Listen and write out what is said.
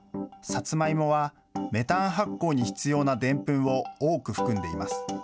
サツマイモは、メタン発酵に必要なでんぷんを多く含んでいます。